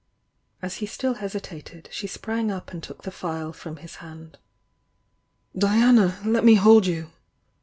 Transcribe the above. As he still hesitated, she sprang up aiiL^ took the phial from his hand. "Diana! Let me hold you!"